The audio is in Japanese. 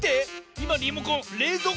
いまリモコンれいぞう